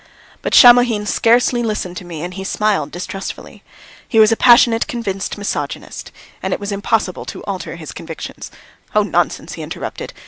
But Shamohin scarcely listened to me and he smiled distrustfully. He was a passionate, convinced misogynist, and it was impossible to alter his convictions. "Oh, nonsense!" he interrupted.